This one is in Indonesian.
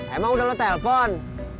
emang udah lu telepon